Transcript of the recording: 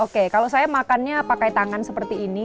oke kalau saya makannya pakai tangan seperti ini